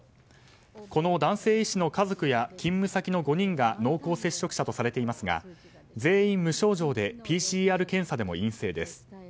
この男性医師の家族や勤務先の５人が濃厚接触者とされていますが全員、無症状でＰＣＲ検査でも陰性です。